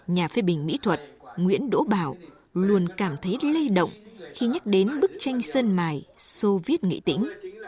nhà phê bình mỹ thuật nguyễn đỗ bảo luôn cảm thấy lây động khi nhắc đến bức tranh sơn mài soviet nghệ tĩnh